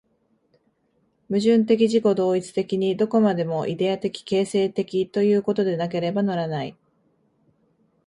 矛盾的自己同一的に、どこまでもイデヤ的形成的ということでなければならない。